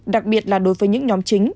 đặc biệt là đối với những nhóm chính